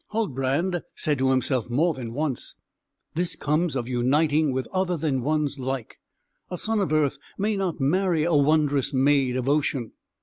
Huldbrand said to himself more than once, "This comes of uniting with other than one's like: a son of earth may not marry a wondrous maid of ocean."